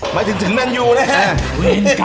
หมายถึงถึงนั่นอยู่นะฮะ